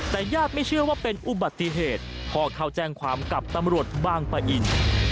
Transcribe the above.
แต่ญาติไม่เชื่อว่าเป็นอุบัติเหตุพ่อเข้าแจ้งความกับตำรวจบางปะอิน